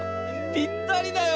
ぴったりだよ！